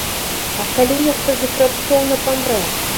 А калі нехта з іх раптоўна памрэ?